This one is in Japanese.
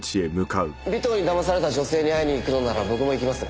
尾藤に騙された女性に会いに行くのなら僕も行きます。